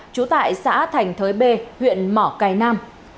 trú tại xã thành thới b huyện mỏ cài nam